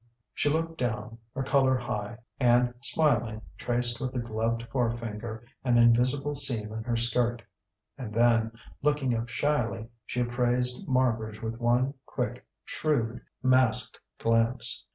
She looked down, her colour high, and smiling traced with a gloved forefinger an invisible seam in her skirt; and then, looking up shyly, she appraised Marbridge with one quick, shrewd, masked glance.